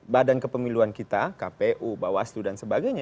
badan kepemiluan kita kpu bawaslu dan sebagainya